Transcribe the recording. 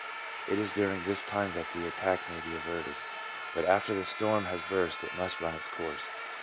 It is during this time that the attack may be averted, but after the storm has burst it must run its course.